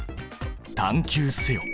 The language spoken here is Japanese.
探究せよ！